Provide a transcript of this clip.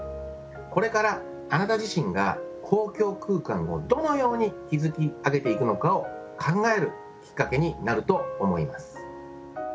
これからあなた自身が公共空間をどのように築き上げていくのかを考えるきっかけになると思います